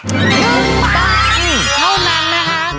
เท่านั้นนะคะ